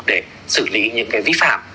để xử lý những cái vi phạm